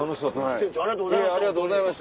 船長ありがとうございました。